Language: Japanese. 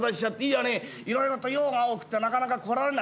いやねいろいろと用が多くてなかなか来られなくてね。